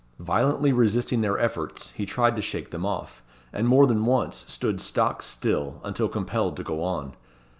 Violently resisting their efforts, he tried to shake them off, and more than once stood stock still, until compelled to go on.